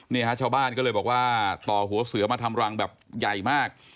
ชาวบ้านก็เลยบอกว่าต่อหัวเสือมาทำรังแบบใหญ่มาก